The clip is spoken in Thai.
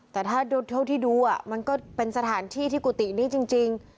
แต่ถ้าเท่าที่ดูมันก็เป็นสถานที่ที่กุฏินี้จริง